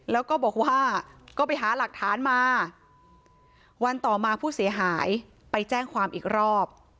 แล้วก็บอกว่าก็ไปหาหลักฐานมาวันต่อมาผู้เสียหายไปแจ้งความอีกรอบ